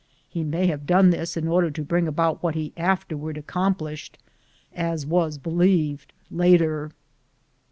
He may have done this in order to bring about what he afterward accomplished, as was believed later.